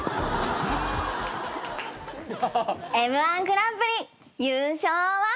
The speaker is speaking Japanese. Ｍ−１グランプリ優勝は。